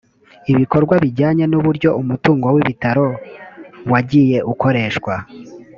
ibikorwa bijyanye n’uburyo umutungo w’ibitaro wagiye ukoreshwa